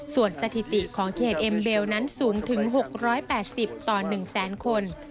ส่วนสถิติของเขตเอ็มเบลนั้นสูงถึง๖๘๐ต่อ๑แสนคน